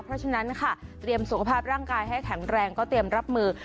เพราะฉะนั้นค่ะเตรียมสุขภาพร่างกายให้แข็งแรงก็เตรียมรับมือ